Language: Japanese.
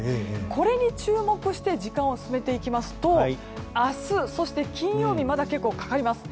これに注目して時間を進めていきますと明日、そして金曜日まだ結構かかります。